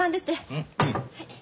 うん。